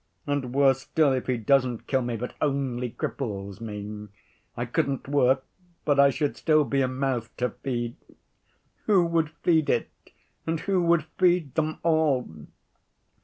And worse still, if he doesn't kill me but only cripples me: I couldn't work, but I should still be a mouth to feed. Who would feed it and who would feed them all?